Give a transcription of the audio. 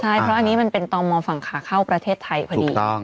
ใช่เพราะอันนี้มันเป็นต่อมอฝั่งขาเข้าประเทศไทยพอดี